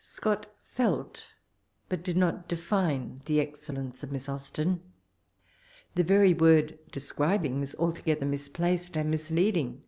Scott felt, but did not de fine, the excellence of Miss Austen. The very world ••describing" is alto gether misplaced and misleading.